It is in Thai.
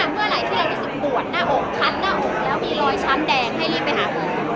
เมื่อก็จะกวดหน้าอกคัดมีหลอยช้ำแดง